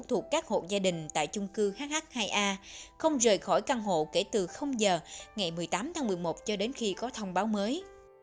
thuộc các hộ gia đình tại chung cư hh hai a không rời khỏi căn hộ kể từ giờ ngày một mươi tám tháng một mươi một cho đến khi có thông báo mới